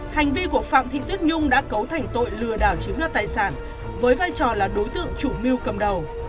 hành vi của phạm thị tuyết nhung đã cấu thành tội lừa đảo chiếm đoạt tài sản với vai trò là đối tượng chủ mưu cầm đầu